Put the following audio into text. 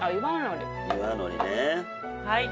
はい。